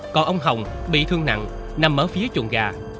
còn ông hồng bị thương nặng nằm ở phía chuồng gà